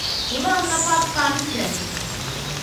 Imam napad panike.